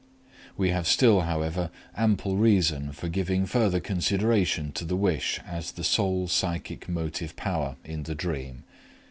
We have still, however, ample reason for giving further consideration to the wish as the sole psychic motive power in the dream.